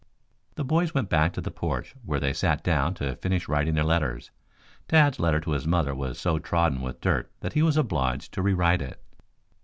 The boys went back to the porch where they sat down to finish writing their letters. Tad's letter to his mother was so trodden with dirt that he was obliged to rewrite it.